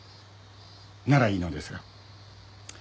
ならいいのですが。